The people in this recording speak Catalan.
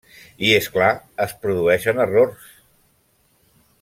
I, és clar, es produeixen errors.